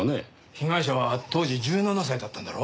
被害者は当時１７歳だったんだろ？